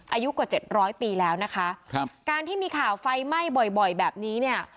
อายุกว่า๗๐๐ปีแล้วนะคะการที่มีข่าวไฟไหม้บ่อยแบบนี้เนี่ย